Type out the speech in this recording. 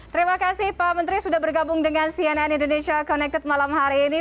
terima kasih pak menteri sudah bergabung dengan cnn indonesia connected malam hari ini